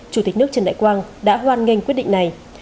chủ tịch nước trần đại quang đã hoan nghênh quyết định này